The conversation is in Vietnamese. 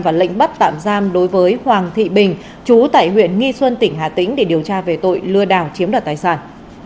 và lệnh bắt tạm giam đối với hoàng thị bình chú tại huyện nghi xuân tỉnh hà tĩnh để điều tra về tội lừa đảo chiếm đoạt tài sản